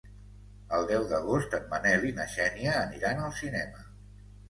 El deu d'agost en Manel i na Xènia aniran al cinema.